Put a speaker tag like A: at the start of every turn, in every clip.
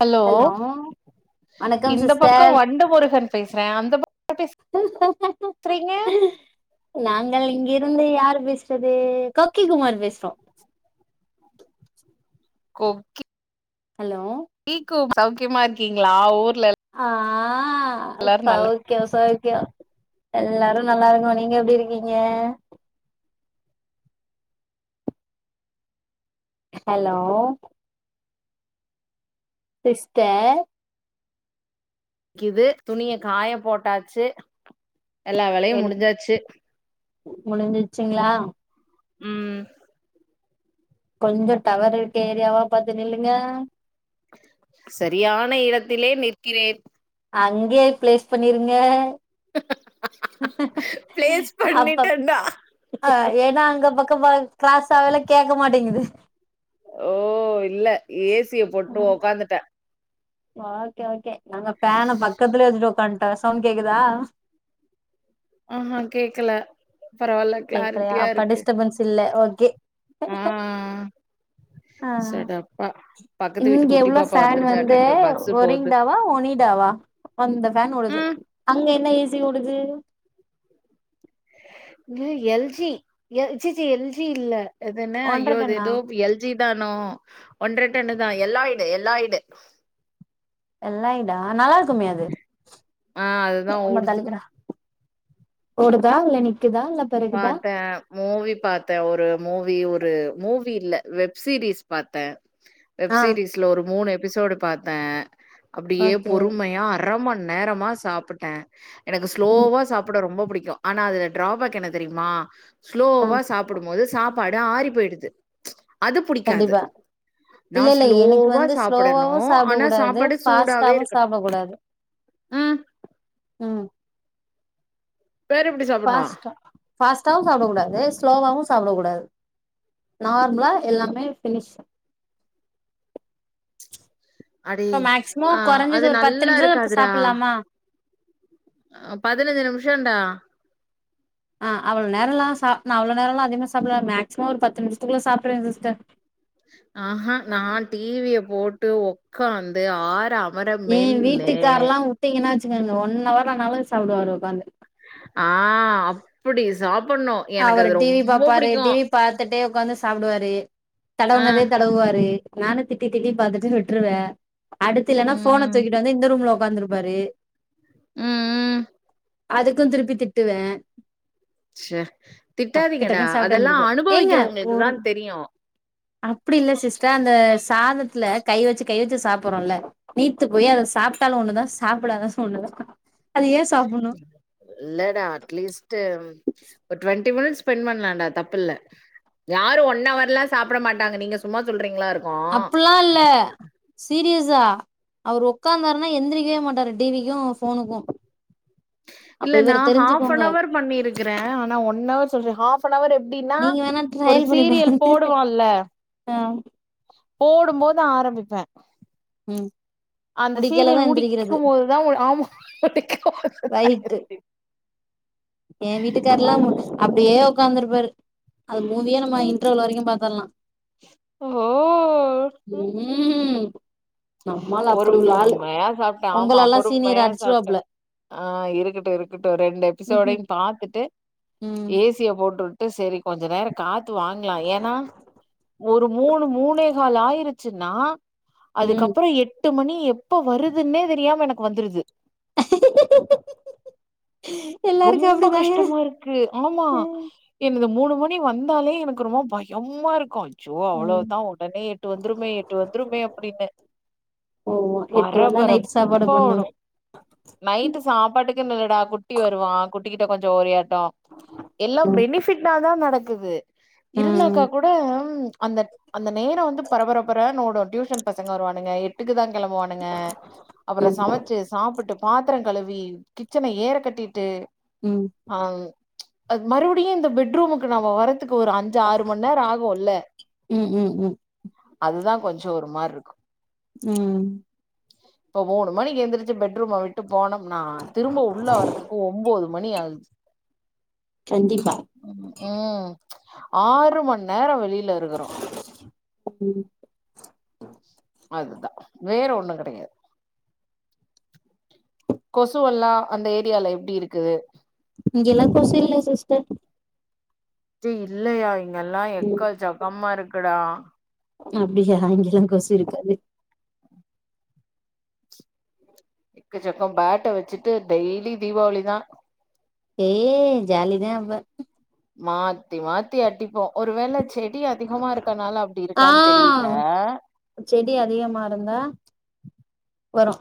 A: Hello
B: வணக்கம்
A: இந்த பக்கோ
B: சிஸ்டர்
A: வண்டு முருகன் பேஸ்றே அந்த பக் [inaudible] பேஸ் றீங்க
B: நாங்கள் இங்கிருந்து யாரு பேஸ்றது கொக்கி குமாரு பேஸ்றோ
A: கொக்கி
B: ஹலோ
A: கீ கூ ம சௌக்கியமா இருக்கீங்ளா ஊர்ல
B: ஆ ஆ
A: எல்லாரு நல்லா
B: சௌக்கியம் சௌ க எல்லாரும் நல்லா இருக்கும் நீங்க எப்டி இருக்கீங்க ஹலோ சிஸ்ட
A: கிது துணிய காய போட்டாச்சு எல்லா வேலையும் முடிஞ்சாச்சு
B: முடிஞ்சச்சுங்களா
A: ம்
B: கொஞ்சொ டவர் இருக்க ஏரியாவா பாத்து நில்லுங்க.
A: சரியான இடத்திலே நிற்கிறேன்
B: அங்கயே பிளேஸ் பண்ணிருங்க
A: ஆ
B: அப்ப
A: பண்ணிட்டேன்டா
B: அ ஏனா அங்க பக் கம கிளாஸ் ஆவல கேக்க மாட்டேங்குது
A: ஓ இல்ல ஏசிய போட்டு ஒக்காந்துட்டேன்
B: ஓகே ஓகே நாங்க பேன பக்கத்துலய வச்சட்டு உக்காந் த சவுண்ட் கேக்தா
A: ஆஹா கேக்கல பரவால்ல
B: கேக்கலயா
A: கிளாரிட்டியா
B: அப்ப
A: இருக்கு
B: டிஸ்டபென்ஸ் இல்ல ஓ கே
A: ஆ
B: ஆ
A: சடப்பா பக்கத்து வீட்டு
B: இங்க
A: குட்டி
B: உள்ள
A: பாப்பா
B: ஃபேன் வந்து
A: வந்துருச்சாட்ருக்கு பஸ்ஸு போது
B: ஒரிங்டாவா ஒனிடாவா அந்த ஃபேன் ஓடுது
A: ம்
B: அங்க என்ன ஏ சி ஓடுது
A: இது L G L C C L G இல்ல எதுன
B: ஒன்ற
A: ஐயோ இது
B: டன்னா
A: ஏதோ எல் ஜி தானு ஒன்ற டன்னு தா எல்லா இது எல்லா இது
B: எல்லைய்டா நல்லாருக்குமே அது
A: ஆஹ் அதுதா ஓடுது
B: ஓடதா இல்ல நி
A: பாத்த மூவி பாத்தே ஒரு மூவி ஒரு மூவி இல்ல வெப் சீரிஸ் பாத்தே வெப்
B: ஆ
A: சீரிஸ்ல ஒரு மூணு எபிசோடு பாத்தே அப்டியே
B: ஓகே
A: பொறுமையா அறம நேரமா சாப்டே எனக்கு
B: ம்
A: ஸ்லோவா சாப்புட ரொம்ப புடிக்கு ஆனா அது ட்ராபேக் எனது தெரியுமா ஸ்லோவா சாப்புடும் போது சாப்பாடு ஆறி போயிடுது அது புடிக்காது
B: கண்டிப்பா
A: நா
B: இல்ல இல்ல எனக்கு
A: ஸ்லோவா
B: வந்து
A: சாப்பிடணு
B: ஸ்லோவாவும் சாப்பட
A: ஆனா
B: கூடாது
A: சாப்பாடு சூடாவே
B: பாஸ்டாவு
A: இருக்கணு
B: சாப்பட கூடாது
A: ம்
B: உம்
A: வேரு எப்புடி சாப்புர்ணு
B: டாவு சாப்புட கூடாது ஸ்லோவவு சாப்புட கூடாது நார்மலா எல்லாமே பினிஷ்
A: அடே
B: இப்ப
A: ஆ
B: மேக்சிமம் குறைஞ்சது
A: அது
B: ஒரு பத்து
A: நல்லா
B: நிமிஷோ சாப்புர்லாமா
A: அ பதிஞ்சு நிமிஷம்ண்டா
B: ஆஹ் அவ்ளோ நேரோலா சா நா அவ்ளோ நேரோ எல்லா அதிகமா சாப்புடல மேக்சிமம் ஒரு பத்து நிமிஷத்துக்குள்ள சாப்ட்ருவே சிஸ்டர்
A: ஆஹா நா டிவியே போ ட்டு உக்காந்து ஆற அம்
B: ஏ வீட்டுக்காரல்ல உட்டீங்ன்னா வெச்சுக்காங்க ஒன் அவர் ஆனாலு சாப்புடுவாரு உக்காந்து
A: ஆஹ் அப்புடி சாப்
B: அவுரு டிவி பாப்பாரு டிவி பாத்துட்டே உக்காந்து சாப்புடுவாரு
A: ஆ
B: தடவுனதே தடவுவாரு நானு திட்டி திட்டி பாத்துட்டு விட்டுருவே அடுத்து இல்லன்னா ஃபோன
A: ம்
B: தூக்கிட்டு வந்து இந்த ரூம்ல வந்துருவாரு
A: உம் உம்
B: அதுக்கு திருப்பி திட்டுவே
A: ச்ச
B: டக்கு
A: திட்டாதீங்கடா
B: டக்குன்னு சாப்ட்டு
A: அதெல்லா
B: எந்திரிப்பாரு
A: அனுபவிக்கிறவங்களுக்கு தா தெரியு
B: அப்பிடி இல்ல சிஸ்டர் அந்த சாதத்துல கை வெச்சு கை வெச்சு சாப்புறோல நீத்து போய் அத சாப்ட்டாலு ஒண்ணு தா சாப்படாது ஒண்ணு தா
A: இல்ல டா அட்லீஸ்ட்டு ம் ஒரு டுவெண்டி மின்ட்ஸ் ஸ்பெண் பண்ணலான்டா தப்பில்ல யாரு ஒன் அவர் ல்லா சாப்ட மாட்டாங்க நீங்க சும்மா சொல்றீங்ளா ருக்
B: அப்புல்லா இல்ல சீரியஸ் ஸா அவரு உக்காந்தார்ன்னா எந்திரிக்கவே மாட்டாரு டிவிக்கு போனுக்கு
A: இல்ல நா ஆஃபனவர் பண்ணிருக்கிறே ஆனா ஒன்னவர் சொல்ற ஆஃப் னவர் எப்டீனா
B: நீங்க வேணா
A: ஒரு
B: ட்ரையல் பண்ணி
A: சீரியல்
B: பாருங்க
A: போடுவால்ல
B: ஆ
A: போடும்போது ஆரம்பிப்பே
B: ம்
A: அந்த சீரியல்
B: முடிக்கைலதா எந்திரிக்கிறது
A: முடிக்கும்போது தா [unintelligible] ஆமா முடிக்கு போது
B: ரைட்டு
A: தா
B: ஏ வீட்டுக்கார்லா அப்டியே
A: [unintelligible]
B: உக்காந்துருப்பாரு அது மூவியா நம்ம இன்ட்ரவெல் வரைக்கு பத்தரலா
A: ஓ!
B: ம் நம்மாள் அப்டி உள்ள ஆளு
A: பொறும்மையா சாப்ட்டே ஆம்மா
B: உங்களல்லா சீனியர்
A: பொறும்மையா சாப்ட்டே
B: அடிச்சிருவாப்புல
A: அ இருக்கிட்டு இருக்கிட்டு ரெண்டு
B: ம் ம்
A: எப்பிசோடய் பாத்துட்டு
B: ம்
A: ஏசியெ போட்டு ட்டு செரி கொஞ்சொ நேரொ காத்து வாங்லா ஏனா ஒரு மூணு மூனே கால் ஆயிரி ச்சுன்னா
B: ம்
A: எட்டு மணி எப்பொ வருதுன்னே தெரியாம எனக் வந்துருது
B: எல்லாருக்கு
A: ரொம்ப
B: அப்டிதாங்க
A: கஷ்டமாருக்கு ஆமா என்னது மூணு மணி வந்தாலே எனக் ஒரு மார் பய்யம்மாருக்கோ அ ச்சோ
B: ம்
A: அவ்ளோதா உடனே எட்டு வந்துருமே எட்டு வந்துரும்மே அப்புடின்னு
B: ஆமா எட்டு மணிதா நைட் சாப்பாடு
A: பரபரப்பா வரு
B: பண்ணுவே
A: நைட்டு சாப்பாட்டுக்கு மேடா குட் ட்டி வருவா குட் ட்டி கொஞ்சோ [unintelligible] [unintelligible] எல்லா
B: ம்
A: பெனிஃபிட் தா ந நடக்குது இருந்தாக்கா
B: ம்
A: கூட ம் அந்தட் அந்தே நேரோ வந்து பரபரப்பரேன் ஓடு டியூஷன் பசங்கெ வருவானுங்கெ எட்டுக்கு தா கிளம்புவானுங்கே அப்பறொ சமச்சி சாப்புட்டு பாத்திரங் கழவி கிச்சன ஏற கட் டிட்டு
B: ம்
A: ஆங் ச்ச் அத் மறுபுடியு இந்தெ பெட்ரூமுக்கு நாமெ வரேத் க்குதுகு ஒரு அஞ்சு ஆறு மண்நேரோ ஆகுல்ல
B: ம் ம் ம்
A: அதுதான் கொஞ்சோ ஒர் மார்ருக்கு
B: உம்
A: இப்போ மூணு மணி எந்துருச்சு பெட்ரூம்ம போய் ட்டு போனம்னா திரும்ப உள்ள வரத் ஒம்போது மணி ஆகுதுச்சு
B: கண்டிப்பா
A: ம் ம் ஆறு மண்நேரோ வெளி வெயில்லருக்குறோ
B: ம்
A: அதுதா வேற ஒண்ணு கெடயாது கொசுவல்லா அந்த ஏரியால எப்டியிருக்குது
B: இங்கெல்லா கொசு இல்ல சிஸ்டர்
A: டெ இல்லையாய் இங்கெல்லா
B: ம்
A: எக்க சக்கம்மா இருக்குடா
B: அப்டியா இங்க எல்லா கொசு இருக்காது
A: எக்கச்சக்கோ ஃபேட்ட வச்சுட்டு டெய்லி தீபாவளிதா
B: ஏய் ஜாலிதா அப்ப
A: மாத்தி மாத்தி அடிப்போ ஒருவேள செடி அதிகமா இருக்கனால அப்டி
B: ஆ
A: இருக்கான்னு தெரியல
B: செடி அதிகமா இருந்தா வரு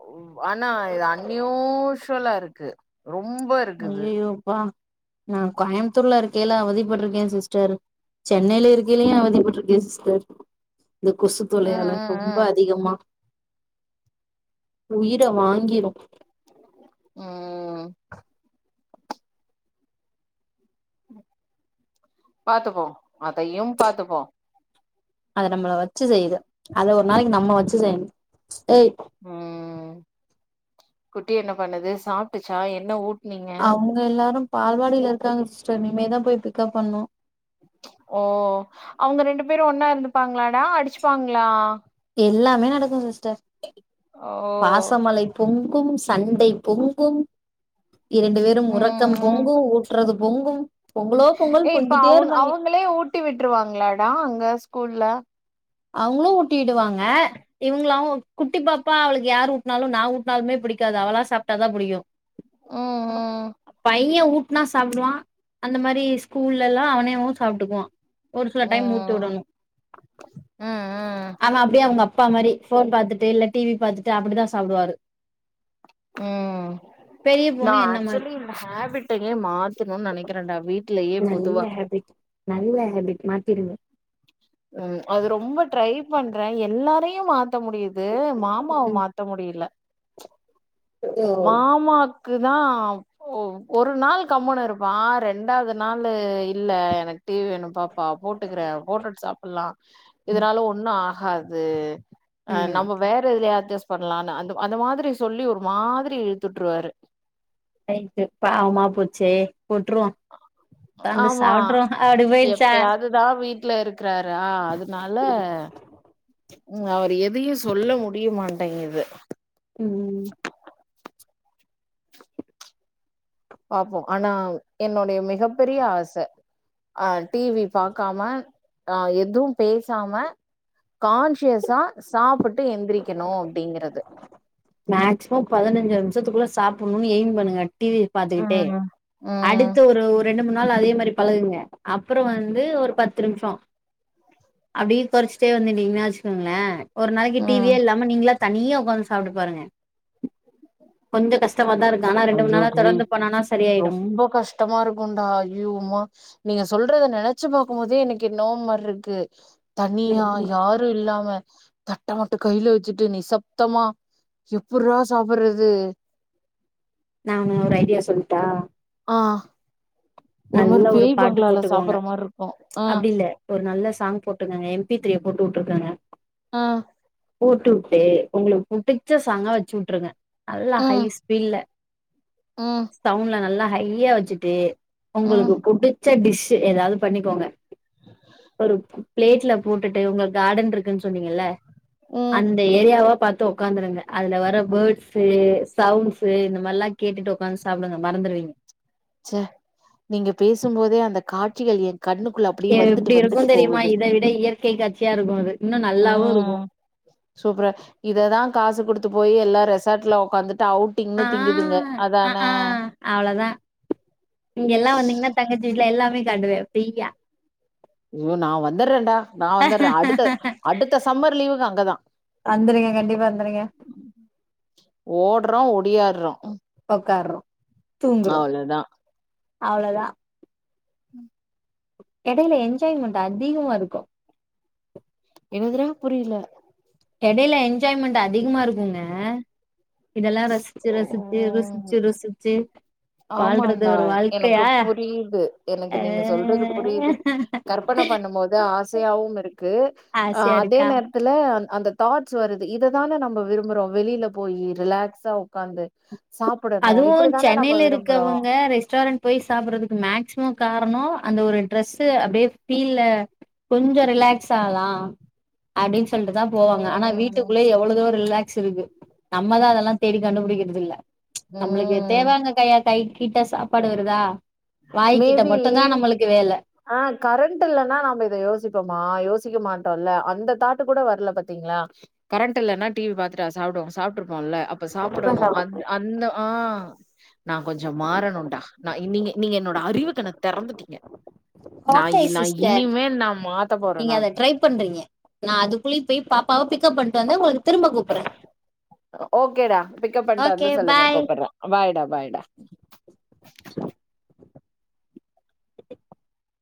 A: ஓ அண்ணா இது அன் நியூஸ் சுலா இருக்கு ரொம்ப இருக்குது
B: அய்யயோப்பா நா கோயம்புத்தூர்ல இருக்கேல அவதிப்பட்ருக்கே சிஸ்டர் சென்னையில இருக்கிலயு அவதிப்பட்ருக்கே சிஸ்டர் இந்த கொசு
A: ம்
B: தொல்லையால ரொம்ப
A: ம்
B: அதிகமா உயிர வாங்கிரும்
A: ம் ம் பாத்துப்போ அதையு பாத்துப்போ
B: அத நம்மள வச்சு செய்யுது அது ஒரு நாளைக்கி நம்ம வச்சு செய்யணும் ஏய்
A: ம் குட்டி என்ன பண்ணுது சாப்ட்டுச்சா என்ன ஊட்
B: அவுங்க எல்லாரும் பால்வாடியில இருக்காங்க சிஸ்டர் இனிமேதா போய் பிக்கப் பண்ணனு
A: ஓ அவுங்க ரெண்டு பேரும் ஒன்னா இருந்துப்பாங்களாடா அடிச்சுப்பாங்களா
B: எல்லாமே நடக்கும் சிஸ்டர்
A: ஓ
B: பாசமலைப்பும் ங்கும் சண்டை பொங்கும் இரண்டு வேரும்
A: ம்
B: உறக்கம்
A: ம்
B: பொங்கு ஊற்றறது பொங்கும் பொங்கலோ பொங்கல்
A: ஏ இப்ப
B: பொங்கிட்டே
A: அவுங்
B: இருப்பாங்க
A: அவூங்களே ஊட்டி விட்டுருவாங்களாடா அங்க ஸ்கூல்ல
B: அவங்களு ஊட்டி விடுவாங்க இவங்கள அவ குட்டி பாப்பா அவளுக்கு யாரு ஊட்டினாலு நா ஊட்டினாலுமே புடிக்காது அவளா சாப்பிட்டாதா புடிக்கு
A: ஹம் ஹ்
B: எங்க ஊட்டுனா சாப்பிடுவான் அந்த மாரி ஸ்கூல்ல எல்லா அவனேவு சாப்பிட்டுக்குவான் ஒரு சில
A: ம்
B: டைம் ஊட்டு
A: ம்
B: விடணு
A: ம்
B: ஆமா அப்டியே அவுங்க அப்பா மாரி போன் பாத்துட்டு இல்ல டி வி பாத்துட்டு அப்படிதா சாப்பிடுவாரு
A: உம் நா
B: என்ன மாரி
A: ஆக்சுவலி இந்த ஹேபிட்டையே மாத்தணுனு நெனைக்கிறேன்டா வீட்லயே பொதுவா
B: திருங்க
A: உம் அது ரொம்ப ட்ரை பண்ற எல்லாரையு மா த்த முடியுது மாமாவ
B: ம்
A: மாத்த முடியல
B: ஓ
A: மாமாக் குதா ஒரு நாள் கம்முனு இருப்பான் ரெண்டாவது நாளு இல்ல எனக்கு டி வி வேணும் பாப்பா போட்டுக்கிற போட்டுட்டு சாப்பிடலா இதனால ஒன்னு ஆ அது அஹ்
B: ம்
A: நம்ம வேற எதுலயாது அஜஸ் பண்ணலானு அந் அந்த மாரி சொல்லி ஒரு மாரி யி இழுத்து வுட்ருவாரு
B: ரைட்டு பாவமா போச்சே போட்ருவோ உக்காந்து
A: ஆமா
B: சாப்ட்ருவோ அப்டி போயிடுச்சா
A: எப்பயாதுதா வீட்ல இருக்கிறாரா அதுனால ம் அவர் எதயு சொல்ல முடியமாட்டேங்குது
B: உம்
A: பாப்போ ஆனா என்னுடைய மிகப்பெரிய ஆச ஆஹ் டி வி பாக்காம ஆஹ் எதுவு பேசாம கான்சியஸா சாப் ட்டு எந்திரிக்கணு அப்படிங்கிறது
B: மேக்சிமம் பதினஞ்சு நிமிஷத்துக்குள்ள சாப்புட்ணும்னு எய்ம் பண்ணுங்க டி வி பாத்துக்கிட்டே
A: ம் ம்
B: அடுத்து ஒரு ஒரு ரெண்டு மூணு நா ள் அதே மாரி பழகுங்க அப்புறோ வந்து ஒரு பத்து நிமுஷோ அப்டியே கொறச்சிட்டே வந்துட்டீங்கன்னா வெச்சுக்கோங்களேன் ஒரு நாளைக்கு டி
A: ம்
B: வியே இல்லாம நீங்களாத் தனியா உக்காந்து சாப்டு பாருங்க கொஞ்சோ கஷ்
A: ஐயோ டே
B: சரியாயிடு
A: ரொம்போ கஷ்டமா இருக்குன்டா ஐயோ அம்மா நீங்க சொல்றத நெனச்சு பாக்கும் போதே எனக்கு என்னவோ மார்ருக்கு தனியா யாரு இல்லாம தட்ட மட்டு கைய்ல வச்சுட்டு நிசப்தமா எப்புட்ரா சாப்புட்றது
B: நானு ஒரு ஐடியா சொல்ட்டா
A: ஆஹ்
B: நல்ல ஒரு பாட்டு போட்டுக்கோங்க
A: மாரி இருக்கு ஆ
B: அப்டி இல்ல ஒரு நல்ல சாங் போட்டுக்கோங்க எம்பி த்திய போட்டு விட்ருக்காங்க
A: ஆஹ்
B: போட்டு வுட்டு உங்களுக்கு புடுச்ச சாங்கா வச்சுவுட்ருங்க நல்லா ஹை
A: ம்
B: ஸ்பீட்ல
A: ம்
B: சவ்ண்ட்ல நல்லா ஹையா வச்சிட்டு
A: ம்
B: உங்களுக்கு புடிச் ச டிஷ் எதாது பண்ணிக்கோங்க [unintelligible] பிளேட்ல போட்டுட்டு உங்களுக்கு கார்டன் இருக்குன்னு சொன்னீங்கல்ல
A: ம்
B: அந்த ஏரியாவா பா உக்காந்துருங்க அதுல வர பேர்ட்ஸ் சவுண்ட்ஸ் இந்த மாரில்லா கேட்டுட்டு ஒக்காந்து சாப்பிடுங்க மறந்துருவீங்க
A: ச நீங்க பேசும் போதே அந்த காட்சிகள் எ
B: எப்டி இருக்கு தெரியுமா இதை விட இயற் கை காட்சியா இருக்கு அது இன்னு நல்லாவு இருக்கு
A: உம் சூப்பரா இததா காசு குடுத்து போய எல்லா ரெசார்ட்ல உக்காந்துட்டு ட
B: ஆ
A: அவுட்டிங்னு திங்குதுங்க
B: ஆ
A: அதான
B: அ ஆ அவ்ளோதா இங்க எல்லாம் வந்தீங்கன்னா தங்கச்சீட்டுல எல்லா கண்டுவா பிரீயா
A: யோ நா வந்துடுறேன்டா நா வந்துடுறே அடுத்த அடுத்த சம்மர் லீவுக்கு அங்கதா
B: வந்துருங்க கண்டிப்பா வந்துருங்க
A: ஓடுறோ உடியா ரம்
B: உக்காரறோ தூங்குறோ
A: அவ்ளோதா
B: அவ்ளோதா
A: உம்
B: எடையில என்ஜாய்மெண்ட் அதிகமா இருக்கு
A: என்னதுன புரியல
B: எடையில என்ஜாய்மென் அதிகமா இருக்குங்க இதெல்லா ரசிச்சு ரசிச்சு ருசி
A: ஓ
B: ச்சுருசிச்சு
A: ஆமாண்டா எனக்கு புரியுது எனக்கு
B: ஆ
A: நீங்க சொல்றது புரியுது கற்பனை பண்ணும் போது ஆசையாவும் இருக்கு அஹ்
B: ஆசையா
A: அதே
B: இருக்கா
A: நேரத்துல அந்த தாட்ஸ் வருது இ இததானே நம்ம விரும்புறோம் வெளியில போய் ரிலாக்ஸா உட்காந்து சாப்பிடணும்
B: அதுவு
A: இப்படித்தானே நம்ம
B: சென்னையில
A: விரும்புறோ
B: இருக்கவங்க ரெஸ்டாரண்ட் போய் சாப்பிடறதுக்கு மேக்சிமம் கார அந்த ஒரு ட்ரெஸ் அப்படியே பீல் லே கொஞ்சம் ரிலாக்ஸ் ஆகலாம் அப்படின்னு தான் போவங்க ஆனா
A: ம்
B: வீட்டுக்குள்ளே எவ்வளோ ரிலாக்ஸ் இருக்கு நம்மதான் அதெல்லாம் தேடி கண்டுபிடிக்கறது இல்ல. நம்மளுக்கு
A: ம்
B: தேவேங்க கையாது கை கிட்ட சாப்பாடு வருதா வாய்கிட்ட
A: மேபி
B: மட்டுந்தா நம்மளுக்கு வேல
A: ஆ கரண்ட் இல்லனா நம்ப இத யோசிப்போமா யோஸ் சிக்கமாட்டோல்ல அந்த தாட்டு கூட வர்ல பாத்தீங்களா கரண்ட் இல்லன்னா டி வி பாத்துட்டா சாப்பிடுவோ சாப்பிட்ரு நல்ல அப்ப சாப்பிடணு அ அந்த ஆ நான் கொஞ்சோ மாறணும்டா நா இன்னிங்கி நீங்க என்னோட அறிவுக் கண்ண தெறந்துட்டீங்க நா
B: ஓக்கே
A: நா
B: சிஸ்டர்
A: இனிமேல் நா மாத்த போறே
B: நீங்க
A: நான்
B: அத ட்ரை பண்றீங்க நா அதுக்குள்ளே போய் பாபாவ பிகப் பண் வந்து ஒங்ளுக்கு
A: ஓக்கேடா பிக்கப் பண்ணட்டு
B: ஓகே
A: வந்து சொல்லுங்க
B: பாய்
A: கூப்பிடுறே பாய்டா பாய்டா
B: [inaudible]